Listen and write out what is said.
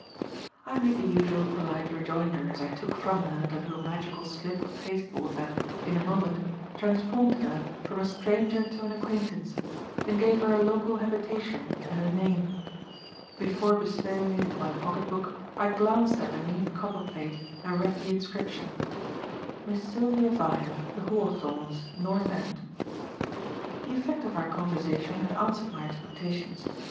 I made the usual polite rejoinder as I took from her the little magical slip of pasteboard that, in a moment, transformed her from a stranger to an acquaintance, and gave her a local habitation and a name. Before bestowing it in my pocket book, I glanced at the neat copper plate and read the inscription: "Miss Sylvia Vyne. The Hawthorns. North End." The effect of our conversation had answered my expectations.